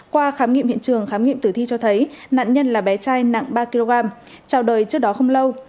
qua khám nghiệm hiện trường khám nghiệm tử thi cho thấy nạn nhân là bé trai nặng ba kg trào đời trước đó không lâu